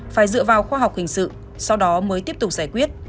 phải dựa vào khoa học hình sự sau đó mới tiếp tục giải quyết